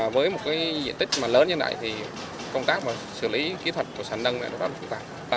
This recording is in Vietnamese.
với diện tích lớn như thế này công tác xử lý kỹ thuật của sàn nâng này rất phức tạp